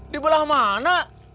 di belah mana